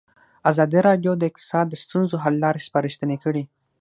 ازادي راډیو د اقتصاد د ستونزو حل لارې سپارښتنې کړي.